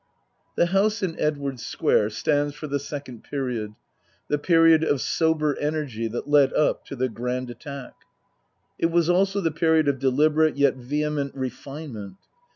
The house in Edwardes Square stands for the second period : the period of sober energy that led up to the Grand Attack. It was also the period of deliberate yet vehement refinement.